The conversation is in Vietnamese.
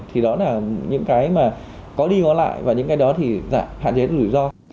thì đó là những cái mà có đi có lại và những cái đó thì hạn chế đến rủi ro